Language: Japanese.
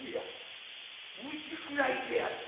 虫食らいであった。